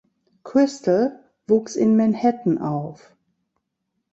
Kristol wuchs in Manhattan auf.